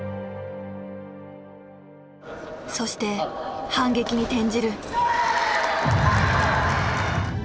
そして反撃に転じる。